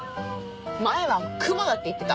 前は熊だって言ってた。